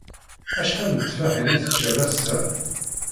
Acḥal n tteffaḥin i teččiḍ ass-a?